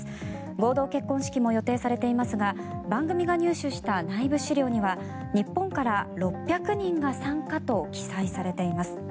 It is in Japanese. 合同結婚式も予定されていますが番組が入手した内部資料には日本から６００人が参加と記載されています。